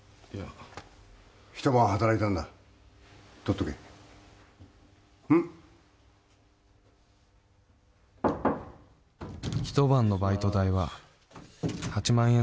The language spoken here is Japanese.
一晩働いたんだとっとけうん一晩のバイト代は８万円だった